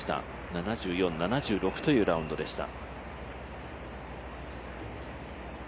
７４、７６というラウンドでした。